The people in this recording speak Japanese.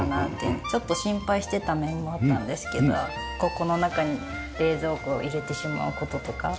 ちょっと心配してた面もあったんですけどここの中に冷蔵庫を入れてしまう事とか。